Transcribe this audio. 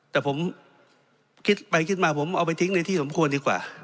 แต่ผมคิดไปคิดมาผมเอาไปทิ้งในที่สมควรดีกว่า